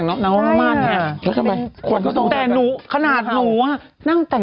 สวัสดีค่ะข้าวใส่ไข่สดใหม่เยอะสวัสดีค่ะ